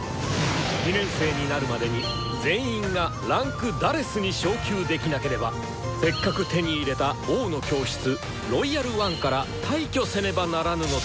２年生になるまでに全員が位階「４」に昇級できなければせっかく手に入れた「王の教室」「ロイヤル・ワン」から退去せねばならぬのだ！